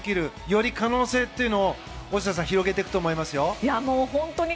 より可能性というのを大下さん、広げていくと思いますよ。